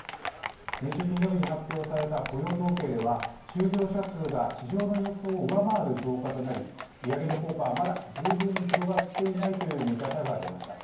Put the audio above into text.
先週金曜日に発表された雇用統計では就業者数が市場の予想を上回る増加となり利上げの効果はまだ十分に広がっていないという見方が出ました。